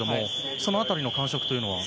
その辺りの感触というのは？